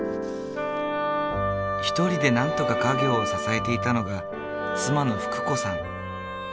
１人でなんとか家業を支えていたのが妻の福子さん。